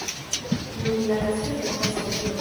Nun la kastelo estas hotelo.